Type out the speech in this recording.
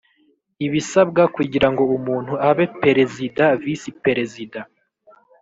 ibisabwa kugira ngo umuntu abe Perezida, Visi Perezida